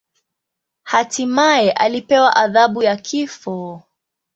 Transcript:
Hatimaye alipewa adhabu ya kifo.